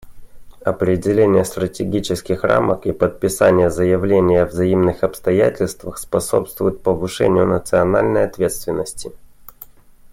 Определение стратегических рамок и подписание заявлений о взаимных обязательствах способствуют повышению национальной ответственности.